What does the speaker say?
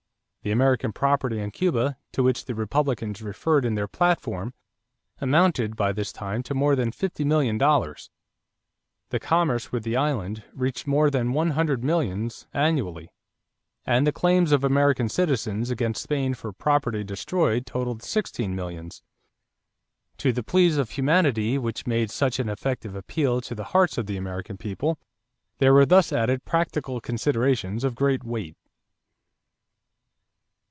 The American property in Cuba to which the Republicans referred in their platform amounted by this time to more than fifty million dollars; the commerce with the island reached more than one hundred millions annually; and the claims of American citizens against Spain for property destroyed totaled sixteen millions. To the pleas of humanity which made such an effective appeal to the hearts of the American people, there were thus added practical considerations of great weight.